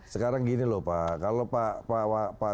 sekarang gini loh pak kalau pak